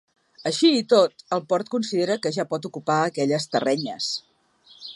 Així i tot, el port considera que ja pot ocupar aquells terrenyes.